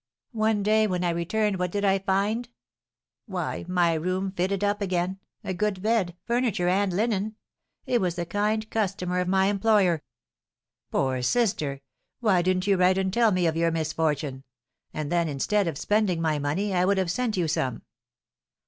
One day when I returned what did I find? Why, my room fitted up again, a good bed, furniture, and linen; it was the kind customer of my employer." "Poor sister! Why didn't you write and tell me of your misfortune; and then, instead of spending my money, I would have sent you some."